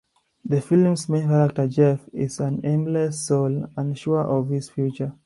The film's main character, Jeff, is an aimless soul unsure of his future.